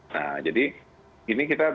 nah jadi ini kita